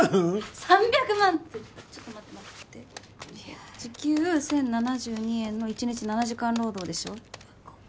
３００万ってちょっと待って時給１０７２円の１日７時間労働でしょ